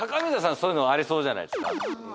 そういうのありそうじゃないですか？